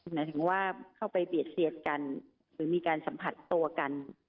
หมายถึงว่าเข้าไปเบียดเสียดกันหรือมีการสัมผัสตัวกัน